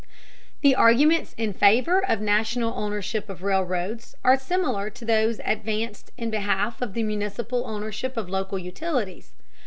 The arguments in favor of national ownership of railroads are similar to those advanced in behalf of the municipal ownership of local utilities.